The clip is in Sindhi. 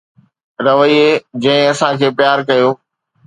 رويي جنهن اسان کي پيار ڪيو